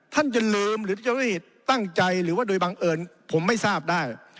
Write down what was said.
ท่านจะลืมหรือจะไม่ตั้งใจหรือว่าโดยบังเอิญผมไม่ทราบได้